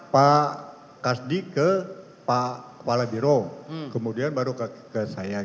pak kasdi ke pak kepala biro kemudian baru ke saya